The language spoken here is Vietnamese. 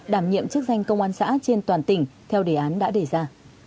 đảm nhiệm chức danh công an xã trên toàn tỉnh theo đề án đã đề ra